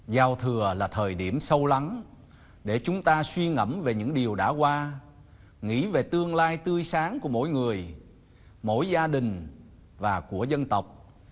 giao thừa là thời điểm sâu lắng để chúng ta suy ngẩm về những điều đã qua nghĩ về tương lai tươi sáng của mỗi người mỗi gia đình và của dân tộc